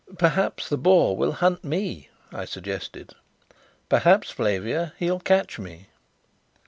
"Perhaps the boar will hunt me," I suggested. "Perhaps, Flavia, he'll catch me."